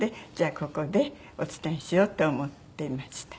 ここでお伝えしようと思ってました。